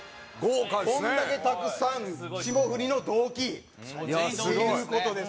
こんだけたくさん霜降りの同期という事です。